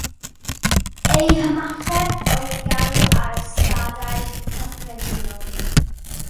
Eu hymateb oedd galw ar y stadau cyffredinol